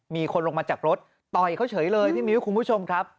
มีคนลงมาจากรถต่อยเขาเฉยเลยพี่มิ้วคุณผู้ชมครับ